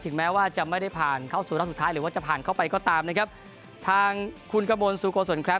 แม้ว่าจะไม่ได้ผ่านเข้าสู่รอบสุดท้ายหรือว่าจะผ่านเข้าไปก็ตามนะครับทางคุณกระมวลสุโกศลครับ